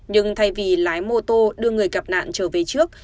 nhưng thay vì lái mô tô đưa người gặp nạn trở về trước